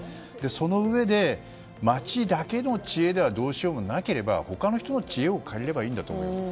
そのうえで、町だけの知恵ではどうしようもなければ他の人の知恵を借りればいいんだと思います。